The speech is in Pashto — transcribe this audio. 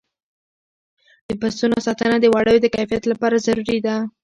د پسونو ساتنه د وړیو د کیفیت لپاره ضروري ده.